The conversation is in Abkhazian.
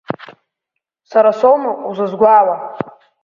Сара соума узызгәаауа?